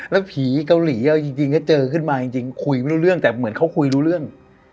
แล้วผีเกาหลีเอาจริงก็เจอขึ้นมาจริงคุยไม่รู้เรื่องแต่เหมือนเขาคุยรู้เรื่อง